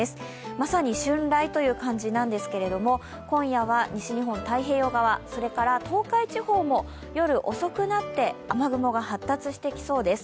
まさに春雷という感じなんですけれども、今夜は西日本、太平洋側、それから東海地方も夜遅くなって雨雲が発達してきそうです。